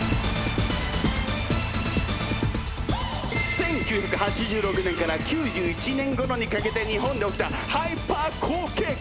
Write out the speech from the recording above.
１９８６年から９１年ごろにかけて日本で起きたハイパー好景気！